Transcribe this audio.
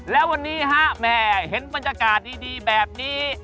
และวันนี้เห็นบรรยากาศดีแบบนี้